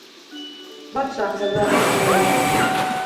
Батша ҡыҙа башлай: